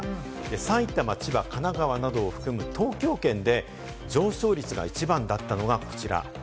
埼玉、千葉、神奈川などを含む東京圏で上昇率が一番だったのがこちら。